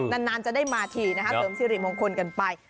นานนานจะได้มาทีนะเติมนิสีฤมพงษ์คนกันไป